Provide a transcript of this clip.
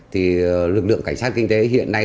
thì lực lượng cảnh sát kinh tế hiện nay